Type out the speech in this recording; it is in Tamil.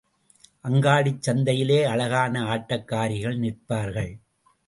அங்காடிச் சந்தையிலே அழகான ஆட்டக்காரிகள் நிற்பார்கள்.